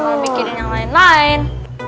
nah mau mikirin yang lain lain